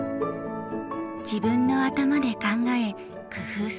自分の頭で考え工夫する。